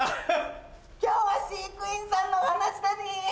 今日は飼育員さんのお話だニン！